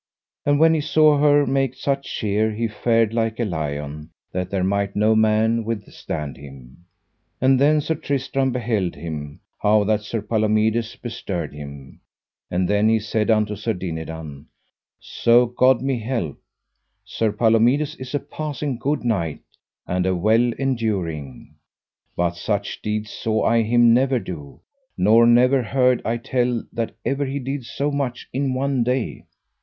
And when he saw her make such cheer he fared like a lion, that there might no man withstand him; and then Sir Tristram beheld him, how that Sir Palomides bestirred him; and then he said unto Sir Dinadan: So God me help, Sir Palomides is a passing good knight and a well enduring, but such deeds saw I him never do, nor never heard I tell that ever he did so much in one day.